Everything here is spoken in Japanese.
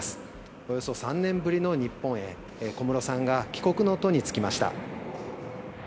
およそ３年ぶりの日本へ、小室さんが帰国の途につきました。